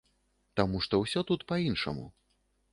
Таму што тут усё па-іншаму.